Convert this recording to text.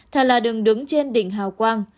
thà là đừng đứng trên đỉnh hào quang